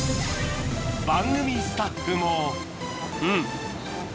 番組スタッフもうん。